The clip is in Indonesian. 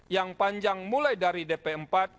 yang panjang mulai dari dp empat